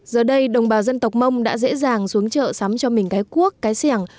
giờ đây đồng bào dân tộc mông đã dễ dàng xuống chợ sắm cho mình cái cuốc cái xẻng